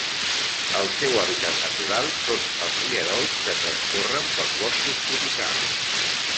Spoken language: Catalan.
El seu hàbitat natural són els rierols que transcorren pels boscos tropicals.